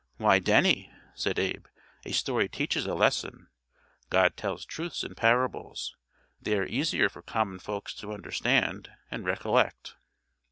"Why, Denny," said Abe, "a story teaches a lesson. God tells truths in parables; they are easier for common folks to understand, and recollect."